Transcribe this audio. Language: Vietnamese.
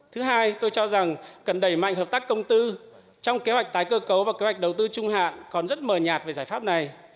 thứ hai tôi cho rằng cần đẩy mạnh hợp tác công tư trong kế hoạch tái cơ cấu và kế hoạch đầu tư trung hạn còn rất mờ nhạt về giải pháp này